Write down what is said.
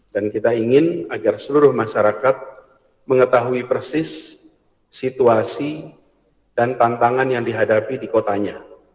dan kita ingin agar seluruh masyarakat mengetahui persis situasi dan tantangan yang dihadapi di kotanya